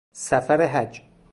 سفر حج